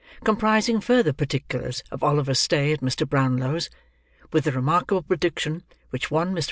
COMPRISING FURTHER PARTICULARS OF OLIVER'S STAY AT MR. BROWNLOW'S, WITH THE REMARKABLE PREDICTION WHICH ONE MR.